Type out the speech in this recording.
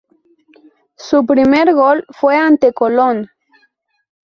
Su primer gol fue ante Colón.